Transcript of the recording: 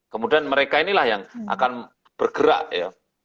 kemudian mereka inilah yang akan bergerak ya